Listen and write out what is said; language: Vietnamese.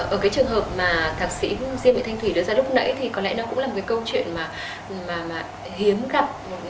ở cái trường hợp mà thạc sĩ diên bệ thanh thủy đưa ra lúc nãy thì có lẽ nó cũng là một câu chuyện mà hiếm gặp